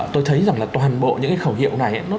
tôi thấy rằng toàn bộ những khẩu hiệu này